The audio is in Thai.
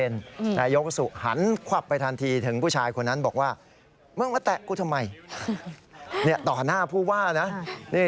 นายกสุหันขวับไปทันทีถึงผู้ชายคนนั้นบอกว่ามึงมาแตะกูทำไมต่อหน้าผู้ว่านะ